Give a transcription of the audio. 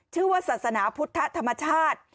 ชื่อว่าศาสนาพุทธธรรมชาติ